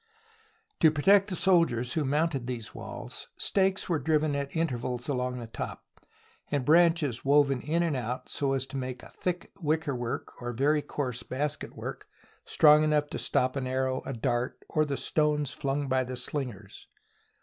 To protect the soldiers who mounted these walls, stakes were driven at intervals along the top, and branches woven in and out so as to make a thick wickerwork or very coarse basketwork strong enough to stop an arrow, a dart, or the stones flung by the slingers.